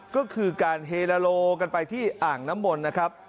ก็คือการเฮลาโลกันไปที่อ่างน้ำมนต์นะครับ